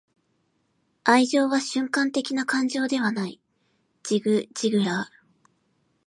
愛情は瞬間的な感情ではない.―ジグ・ジグラー―